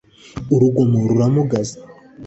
Urugomo ruramugaza